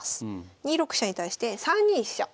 ２六飛車に対して３二飛車。